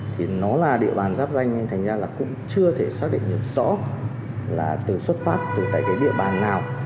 thì nó là địa bàn giáp danh nên thành ra là cũng chưa thể xác định được rõ là từ xuất phát từ tại cái địa bàn nào